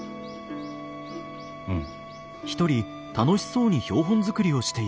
うん。